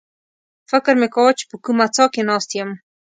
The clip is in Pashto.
فکر مې کاوه چې په کومه څاه کې ناست یم.